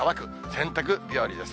洗濯日和です。